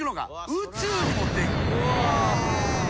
宇宙に持っていく。